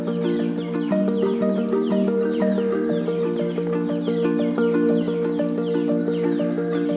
kita bisa melihat kawasan adat yang berbeda dengan pemandangan pemandangan